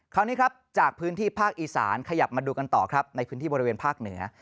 คราวนี้ครับจากพื้นที่ภาคอีสานขยับมาดูกันต่อครับในพื้นที่บริเวณภาคเหนือ